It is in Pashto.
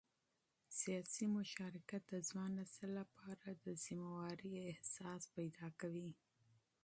سیاسي مشارکت د ځوان نسل لپاره د مسؤلیت احساس پیدا کوي